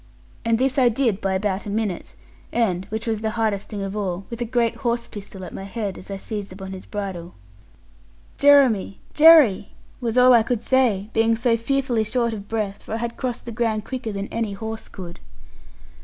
And this I did by about a minute; and (which was the hardest thing of all) with a great horse pistol at my head as I seized upon his bridle. 'Jeremy, Jerry,' was all I could say, being so fearfully short of breath; for I had crossed the ground quicker than any horse could.